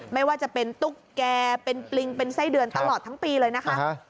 ไม่ว่าจะเป็นตุ๊กแก่เป็นปริงเป็นไส้เดือนตลอดทั้งปีเลยนะคะ